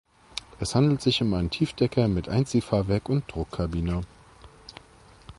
Es handelt sich um einen Tiefdecker mit Einziehfahrwerk und Druckkabine.